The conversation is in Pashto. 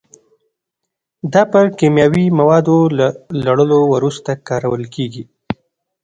دا پر کیمیاوي موادو له لړلو وروسته کارول کېږي.